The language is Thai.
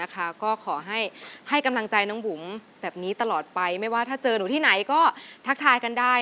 ต้นใจมากนะ